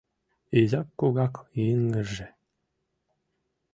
Изак-кугак йыҥгырже